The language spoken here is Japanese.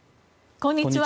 こんにちは。